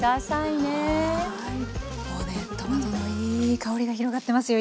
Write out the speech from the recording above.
もうねトマトのいい香りが広がってますよ。